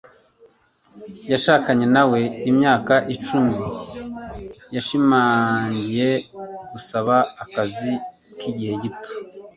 Yashakanye na we imyaka icumi. Yashimangiye gusaba akazi k'igihe gito.